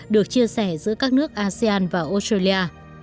được chia sẻ giữa các nước asean và australia